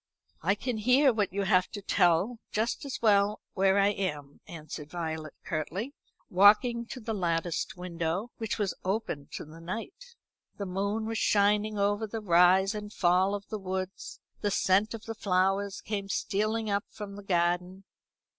"I can hear what you have to tell just as well where I am," answered Violet curtly, walking to the latticed window, which was open to the night. The moon was shining over the rise and fall of the woods; the scent of the flowers came stealing up from the garden.